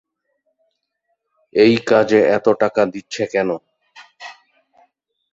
এই কাজে এতো টাকা দিচ্ছে কেন?